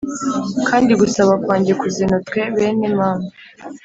kandi gusaba kwanjye kuzinutswe bene mama